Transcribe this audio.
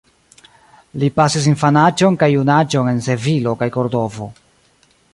Li pasis infanaĝon kaj junaĝon en Sevilo kaj Kordovo.